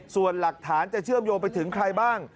ส่วนหลักฐานจะเชื่อมโยงไปถึงใครบ้าง